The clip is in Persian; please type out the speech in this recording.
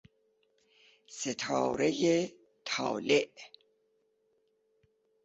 ستارهی طالع